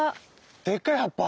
でかい葉っぱ？